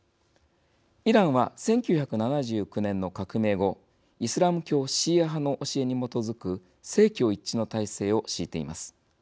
イランは、１９７９年の革命後イスラム教シーア派の教えに基づく政教一致の体制を敷いています。